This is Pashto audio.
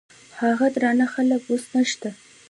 هغه درانه خلګ اوس نشته.